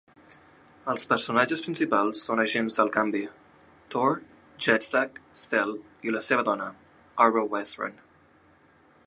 Els personatges principals són agents del canvi: Tor, Jestak, Stel i la seva dona Ahroe Westrun.